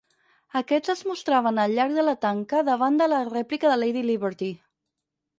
Aquests es mostraven al llarg de la tanca davant de la rèplica de "Lady Liberty".